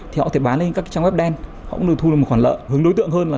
thì họ có thể bán lên các trang web đen họ cũng được thu lên một khoản lợi hướng đối tượng hơn là